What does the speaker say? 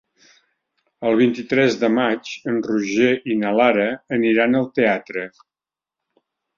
El vint-i-tres de maig en Roger i na Lara aniran al teatre.